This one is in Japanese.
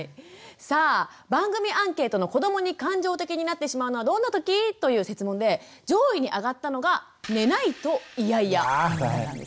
さあ番組アンケートの「子どもに感情的になってしまうのはどんなとき？」という設問で上位に上がったのが「寝ない」と「イヤイヤ」だったんですね。